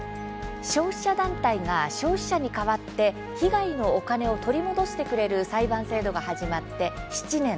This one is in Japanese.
消費者団体が消費者に代わって被害のお金を取り戻してくれる裁判制度が始まって７年。